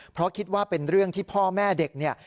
เพราะคิดว่าเป็นเรื่องที่พ่อแม่เด็กเนี่ย